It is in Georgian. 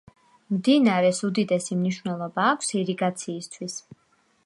მდინარეს უდიდესი მნიშვნელობა აქვს ირიგაციისთვის.